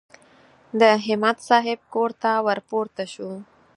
د همت صاحب کور ته ور پورته شوو.